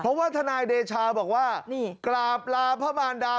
เพราะว่าทนายเดชาบอกว่านี่กราบลาพระมารดา